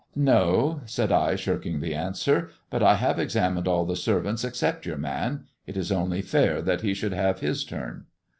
" No," said I, shirking the answer, " but I have examined all the servants except your man. It is only fair that he should have his turn."